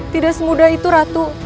tidak semudah itu ratu